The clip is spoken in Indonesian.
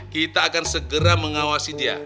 kita akan segera mengawasi dia